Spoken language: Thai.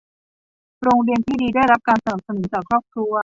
โรงเรียนที่ดีได้รับการสนับสนุนจากครอบครัว